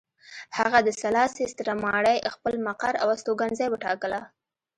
هغه د سلاسي ستره ماڼۍ خپل مقر او استوګنځی وټاکله.